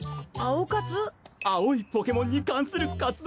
青いポケモンに関する活動